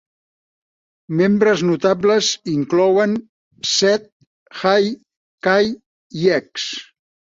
Membres notables inclouen Zed, Jay, Kay i Ecks.